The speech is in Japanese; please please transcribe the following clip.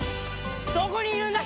どこにいるんだ？